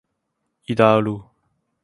義大二路